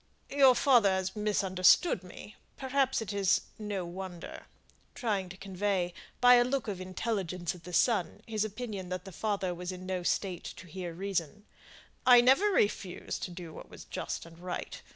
"Your father has misunderstood me perhaps it is no wonder," trying to convey, by a look of intelligence at the son, his opinion that the father was in no state to hear reason. "I never refused to do what was just and right.